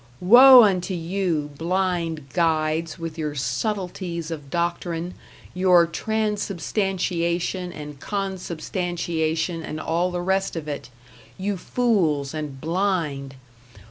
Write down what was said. Woe unto you, blind guides, with your subtleties of doctrine, your transubstantiation and consubstantiation and all the rest of it; you fools and blind!